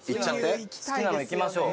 好きなのいきましょう。